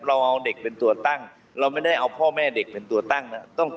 เราเอาเด็กเป็นตัวตั้งเราไม่ได้เอาพ่อแม่เด็กเป็นตัวตั้งนะ